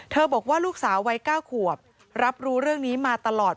บอกว่าลูกสาววัย๙ขวบรับรู้เรื่องนี้มาตลอด